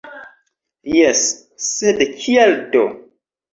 Jes, sed kial do?